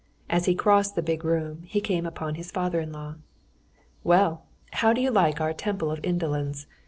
As he crossed the big room, he came upon his father in law. "Well, how do you like our Temple of Indolence?"